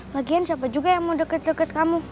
bagian siapa juga yang mau deket deket kamu